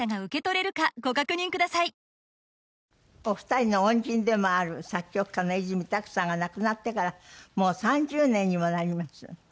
お二人の恩人でもある作曲家のいずみたくさんが亡くなってからもう３０年にもなります。